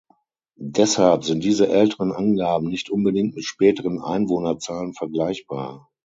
Deshalb sind diese älteren Angaben nicht unbedingt mit späteren Einwohnerzahlen vergleichbar.